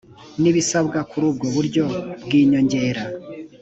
n ibisabwa kuri ubwo buryo bw inyongera